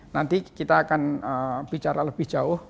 nanti kita akan bicara lebih jauh